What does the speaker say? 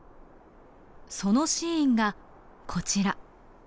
そのシーンがこちら。